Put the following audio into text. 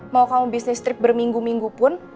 mau kamu bisnis trip berminggu minggu pun